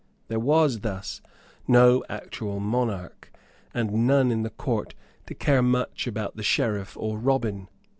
There was thus no actual monarch, and none in the Court to care much about the Sheriff or Robin.